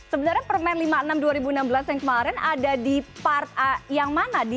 sebenarnya permen lima puluh enam dua ribu enam belas yang kemarin ada di part yang mana